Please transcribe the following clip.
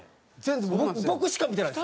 僕しか見てないんですよ。